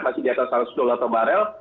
masih di atas seratus dolar per barrel